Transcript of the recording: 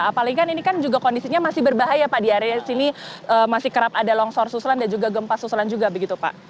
apalagi kan ini kan juga kondisinya masih berbahaya pak di area sini masih kerap ada longsor susulan dan juga gempa susulan juga begitu pak